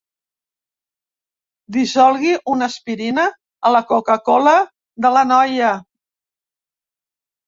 Dissolgui una aspirina a la coca-cola de la noia.